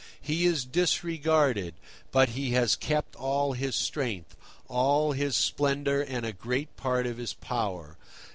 He is disregarded; but he has kept all his strength, all his splendour, and a great part of his power.